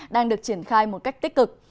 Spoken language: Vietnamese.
đang được triển khai một cách tích cực